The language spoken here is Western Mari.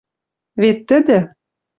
Вет тӹдӹ